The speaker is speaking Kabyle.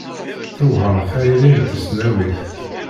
Tewɛer tayri n tesnawit.